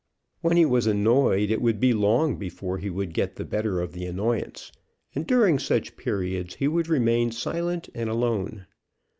When he was annoyed it would be long before he would get the better of the annoyance; and during such periods he would remain silent and alone.